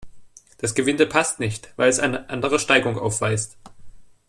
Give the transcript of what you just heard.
Das Gewinde passt nicht, weil es eine andere Steigung aufweist.